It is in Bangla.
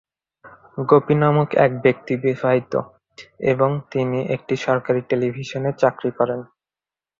গোপী নামক এক ব্যক্তি বিবাহিত এবং তিনি একটি সরকারী টেলিভিশনে চাকরি করেন।